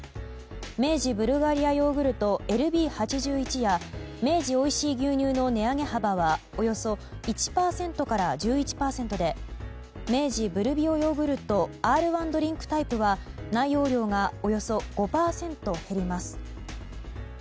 明治ブルガリアヨーグルトＬＢ８１や明治おいしい牛乳の値上げ幅はおよそ１％から１１％で明治プロビオヨーグルトＲ‐１ドリンクタイプは内容量がおよそ５％減ります。